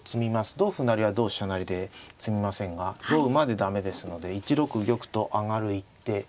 同歩成は同飛車成で詰みませんが同馬で駄目ですので１六玉と上がる一手。